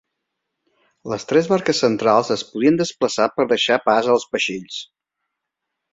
Les tres barques centrals es podien desplaçar per deixar pas als vaixells.